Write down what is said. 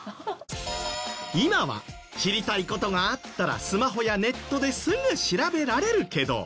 今は知りたい事があったらスマホやネットですぐ調べられるけど。